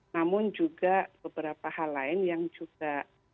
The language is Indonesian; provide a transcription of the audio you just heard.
namun juga beberapa hal lain yang juga